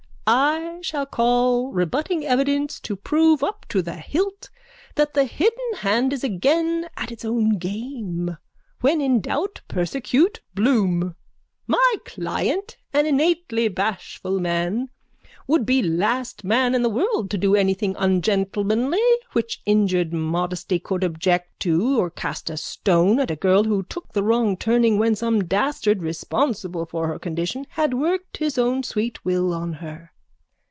_ I shall call rebutting evidence to prove up to the hilt that the hidden hand is again at its old game. When in doubt persecute Bloom. My client, an innately bashful man, would be the last man in the world to do anything ungentlemanly which injured modesty could object to or cast a stone at a girl who took the wrong turning when some dastard, responsible for her condition, had worked his own sweet will on her.